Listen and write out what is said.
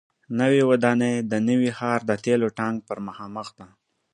نوې ودانۍ د نوي ښار د تیلو ټانک پر مخامخ ده.